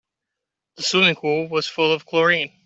The swimming pool was full of chlorine.